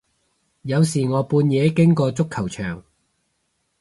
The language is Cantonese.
有時我半夜經過足球場